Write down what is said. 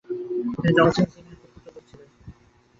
তিনি জগৎজিৎ সিংএর খুড়তুতো বোন ছিলেন।